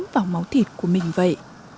vào máu thịt của mình vậy